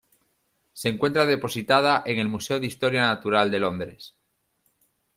Se encuentra depositada en el Museo de Historia Natural, de Londres.